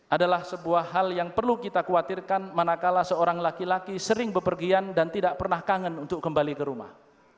adalah sebuah hal yang perlu kita khawatirkan manakala seorang laki laki sering berpergian dan tidak pernah kangen untuk kembali ke rumah